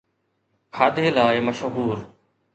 کاڌي لاءِ مشهور